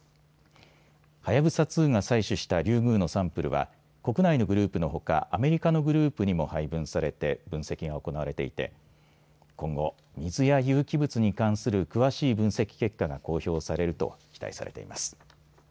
はやぶさ２が採取したリュウグウのサンプルは国内のグループのほかアメリカのグループにも配分されて分析が行われていて今後、水や有機物に関する詳しい分析結果が公表されると期待されています。